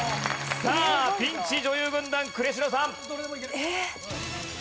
さあピンチ女優軍団呉城さん。